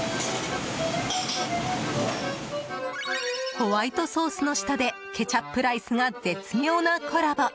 ホワイトソースの下でケチャップライスが絶妙なコラボ。